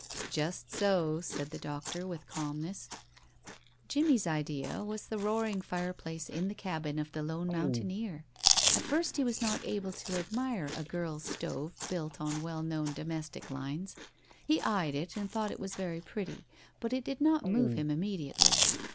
"Just so," said the doctor, with calmness. Jimmie's idea was the roaring fireplace in the cabin of the lone mountaineer. At first he was not able to admire a girl's stove built on well known domestic lines. He eyed it and thought it was very pretty, but it did not move him immediately.